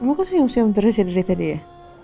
kamu kok sium sium terus ya dari tadi ya